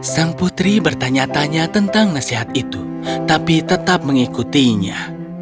sang putri bertanya tanya tentang nasihat itu tapi tetap mengikutinya